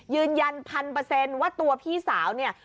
ยืนยันพันเปอร์เซ็นต์ว่าตัวพี่สาวเนี่ย